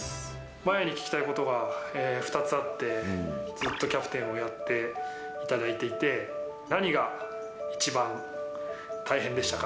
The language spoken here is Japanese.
麻也に聞きたいことが２つあって、ずっとキャプテンをやっていただいていて、何が一番大変でしたか？